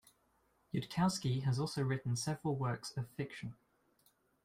Yudkowsky has also written several works of fiction.